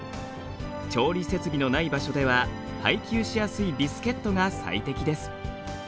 調理設備の無い場所では配給しやすいビスケットが最適です。